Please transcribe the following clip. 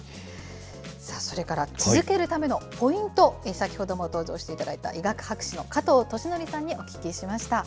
さあ、それから続けるためのポイント、先ほども登場していただいた医学博士の加藤俊徳さんにお聞きしました。